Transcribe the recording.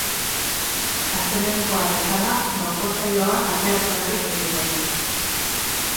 Astelehenekoa bezala, gaurko saioa ateak zabalik egingo dute.